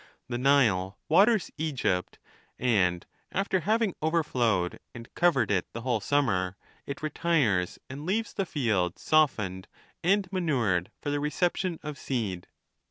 The Nile waters Egypt, and after having overflowed and covered it the whole summer, it retires, and leaves the fields softened and manured for the reception of seed.